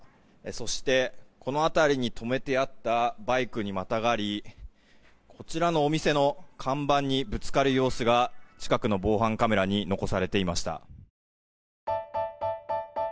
そして、この辺りに止めてあったバイクにまたがりこちらのお店の看板にぶつかる様子が近くの防犯カメラに残されていました。